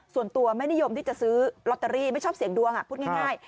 ส่วนตัวไม่นิยมที่จะซื้อลอตเตอรี่ไม่ชอบเสียงดวงพูดง่าย